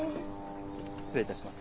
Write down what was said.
失礼いたします。